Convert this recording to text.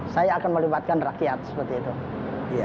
saya akan melibatkan rakyat seperti itu